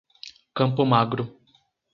Campo Magro